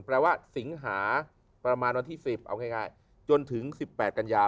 แปลว่าสิงหาประมาณวันที่๑๐เอาง่ายจนถึง๑๘กันยา